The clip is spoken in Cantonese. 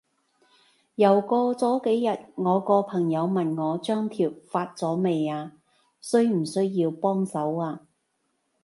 又過咗幾日，我個朋友問我張貼發咗未啊？需唔需要幫手啊？